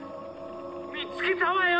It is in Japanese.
見つけたわよ！